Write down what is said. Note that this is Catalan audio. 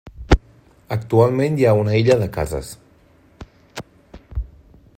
Actualment hi ha una illa de cases.